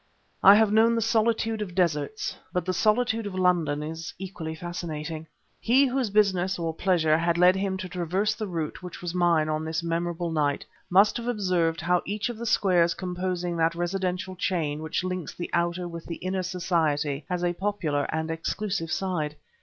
I have known the solitude of deserts, but the solitude of London is equally fascinating. He whose business or pleasure had led him to traverse the route which was mine on this memorable night must have observed how each of the squares composing that residential chain which links the outer with the inner Society has a popular and an exclusive side.